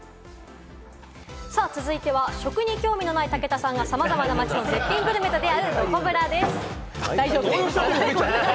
続いては、食に興味のない武田さんが、さまざまな街の絶品グルメと出会う、どこブラです。